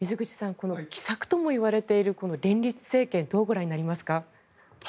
この奇策ともいわれているこの連立政権どうご覧になりますか？